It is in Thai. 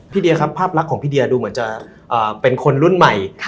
เดียครับภาพลักษณ์ของพี่เดียดูเหมือนจะเป็นคนรุ่นใหม่